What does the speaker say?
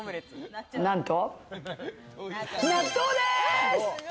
なんと納豆です。